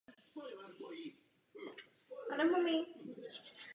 To je silné místo této zprávy.